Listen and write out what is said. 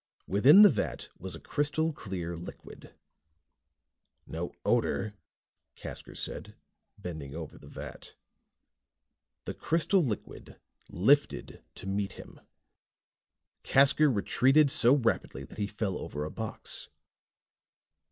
Within the vat was a crystal clear liquid. "No odor," Casker said, bending over the vat. The crystal liquid lifted to meet him. Casker retreated so rapidly that he fell over a box.